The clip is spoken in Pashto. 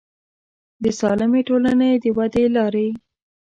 د سالمې ټولنې د ودې لارې